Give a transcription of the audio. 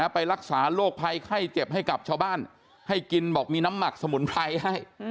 ไปรักษาโรคภัยไข้เจ็บให้กับชาวบ้านให้กินบอกมีน้ำหมักสมุนไพรให้